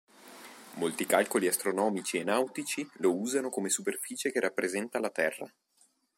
Molti calcoli astronomici e nautici lo usano come superficie che rappresenta la Terra.